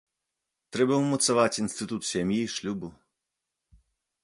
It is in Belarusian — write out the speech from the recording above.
Трэба ўмацаваць інстытут сям'і, шлюбу.